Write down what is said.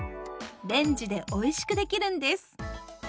レンジでおいしく出来るんです。